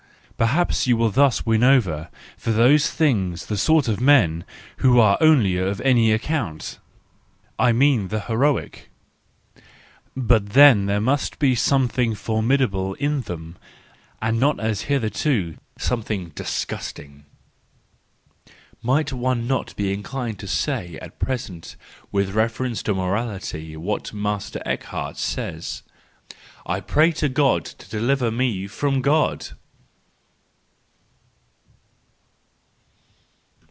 Perhaps you will thus win over for those things the sort of men who are only of any ac¬ count, I mean the heroic . But then there must be something formidable in them, and not as hitherto something disgusting! Might one not be in¬ clined to say at present with reference to morality what Master Eckardt says: " I pray God to deliver me from God!